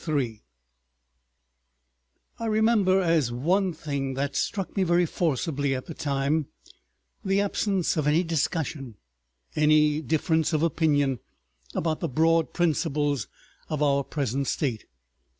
§ 2 I remember as one thing that struck me very forcibly at the time, the absence of any discussion, any difference of opinion, about the broad principles of our present state.